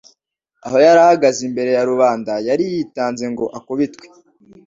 Aho yari ahagaze imbere ya rubanda yari yitanze ngo akubitwe